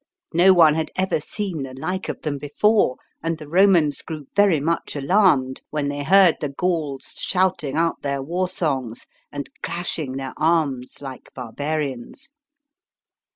No one had ever seen the like of them jbefore, and the Romans grew very much alarmed, when they heard the Gauls shouting out their war songs and clashing their arms like barbarians.